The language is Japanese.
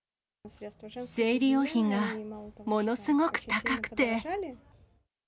生理用品がものすごく高くて。